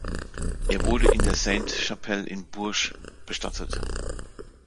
Er wurde in der Sainte-Chapelle in Bourges bestattet.